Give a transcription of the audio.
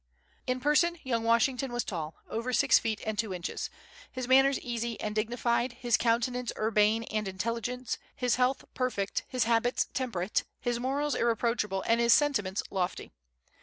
In person, young Washington was tall, over six feet and two inches, his manners easy and dignified, his countenance urbane and intelligent, his health perfect, his habits temperate, his morals irreproachable, and his sentiments lofty.